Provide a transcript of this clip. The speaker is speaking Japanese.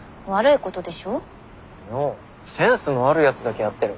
いやセンスのあるやつだけやってる。